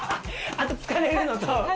あと疲れるのと。